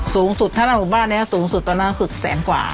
สูงสุดถ้านั่งหมู่บ้านนี้สูงสุดตอนนั้นคือแสนกว่า